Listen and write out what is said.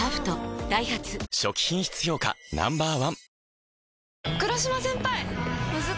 ダイハツ初期品質評価Ｎｏ．１